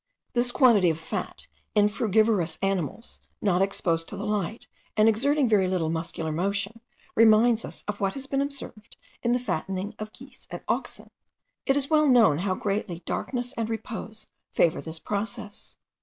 This quantity of fat in frugivorous animals, not exposed to the light, and exerting very little muscular motion, reminds us of what has been observed in the fattening of geese and oxen. It is well known how greatly darkness and repose favour this process.